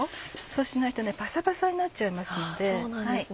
そうしないとねパサパサになっちゃいますので。